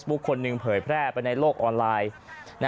แฟซบุ๊คคนนึงเผยแพร่ไปในโลกออนไลน์